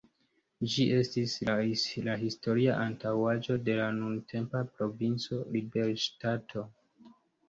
Ĝi estis la historia antaŭaĵo de la nuntempa Provinco Liberŝtato.